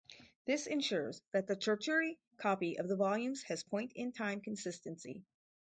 This ensures that the tertiary copy of the volumes has point-in-time consistency.